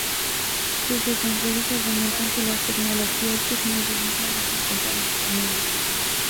Sus defensores argumentan que las tecnologías que se necesitan ya se encuentran disponibles.